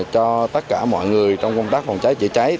cho mọi người trong công tác phòng cháy chữa cháy